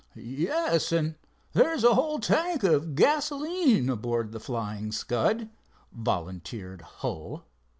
"Yes, and there's a whole tank of gasoline aboard the Flying Scud," volunteered Hull.